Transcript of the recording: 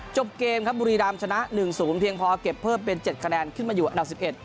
จบเกมครับบุรีรำชนะ๑๐เพียงพอเก็บเพิ่มเป็น๗คะแนนขึ้นมาอยู่อันดับ๑๑